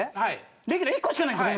レギュラー１個しかないですよ